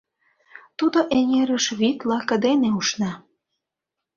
Тудо эҥерыш вӱд лаке дене ушна.